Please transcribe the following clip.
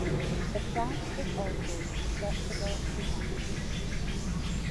The plant is also susceptible to mites.